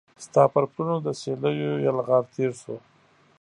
ستا پر پلونو د سیلېو یلغار تیر شو